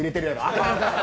あかんあかん。